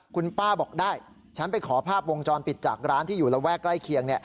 คุณป้าบอกได้ฉันไปขอภาพวงจรปิดจากร้านที่อยู่ระแวกใกล้เคียง